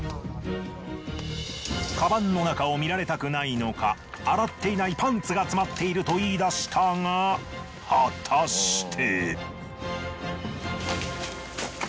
カバンの中を見られたくないのか洗っていないパンツが詰まっていると言い出したが果たして。